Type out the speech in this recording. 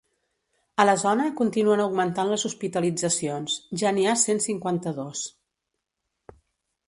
A la zona continuen augmentant les hospitalitzacions: ja n’hi ha cent cinquanta-dos.